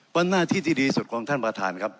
วันหน้าที่ดีสุดของท่านประธานครับ